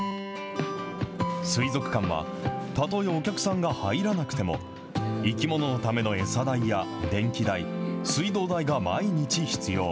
水族館は、たとえお客さんが入らなくても、生き物のための餌代や、電気代、水道代が毎日必要。